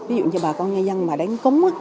ví dụ như bà con nhân dân mà đánh cúng